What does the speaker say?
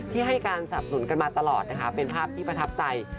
ที่ให้การสับสนุนกันมาตลอดนะคะเป็นภาพที่ประทับใจ